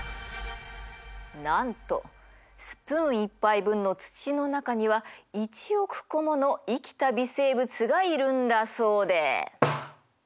なんとスプーン１杯分の土の中には１億個もの生きた微生物がいるんだそうで。